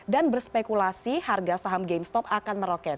dan berspekulasi harga saham gamestop akan meroket